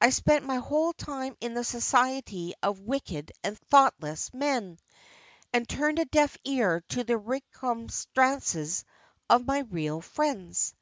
I spent my whole time in the society of wicked and thoughtless men, and turned a deaf ear to the remonstrances of all my real friends.